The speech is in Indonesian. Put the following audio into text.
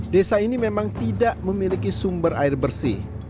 desa ini memang tidak memiliki sumber air bersih